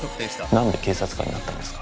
なんで警察官になったんですか？